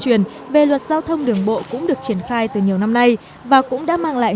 truyền về luật giao thông đường bộ cũng được triển khai từ nhiều năm nay và cũng đã mang lại